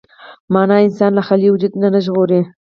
معنی انسان له خالي وجود نه ژغوري.